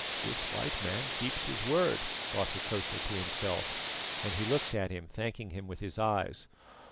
"This white man keeps his word," thought Hokosa to himself, and he looked at him thanking him with his eyes.